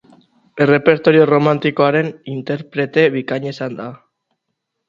Errepertorio erromantikoaren interprete bikaina izan da.